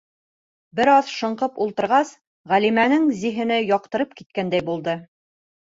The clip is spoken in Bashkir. Бер аҙ шаңҡып ултырғас, Ғәлимәнең зиһене яҡтырып киткәндәй булды.